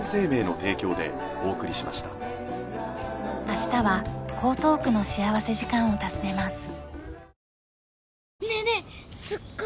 明日は江東区の幸福時間を訪ねます。